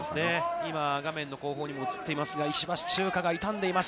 今、画面の後方にも映っていますが、石橋チューカが痛んでいます。